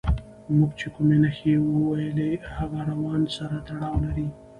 موږ چې کومې نښې وویلې هغه روان سره تړاو لري.